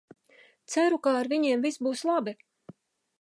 Ceru, ka ar viņiem viss būs labi.